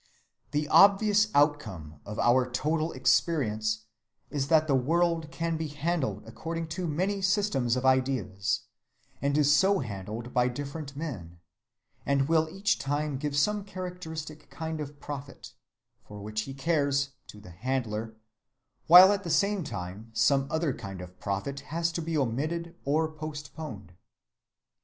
The obvious outcome of our total experience is that the world can be handled according to many systems of ideas, and is so handled by different men, and will each time give some characteristic kind of profit, for which he cares, to the handler, while at the same time some other kind of profit has to be omitted or postponed.